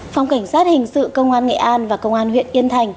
phòng cảnh sát hình sự công an nghệ an và công an huyện yên thành